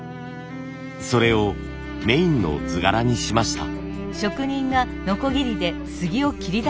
それをメインの図柄にしました。